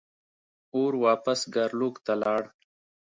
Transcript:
اور واپس ګارلوک ته لاړ.